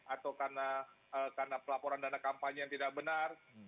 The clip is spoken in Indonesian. atau karena pelaporan dana kampanye yang tidak benar